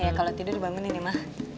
ya kalau tidur dibangunin ya ma